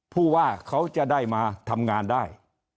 ผู้ว่าเขาจะได้มาทำงานได้